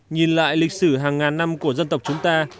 nhìn lại lịch sử hàng ngàn năm của dân tộc chúng ta